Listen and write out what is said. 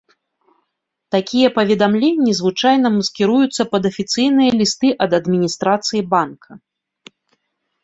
Такія паведамленні звычайна маскіруюцца пад афіцыйныя лісты ад адміністрацыі банка.